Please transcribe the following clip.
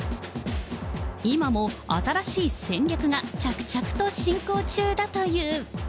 今も新しい戦略が着々と進行中だという。